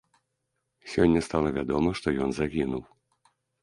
Сёння стала вядома, што ён загінуў.